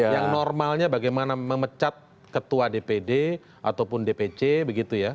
yang normalnya bagaimana memecat ketua dpd ataupun dpc begitu ya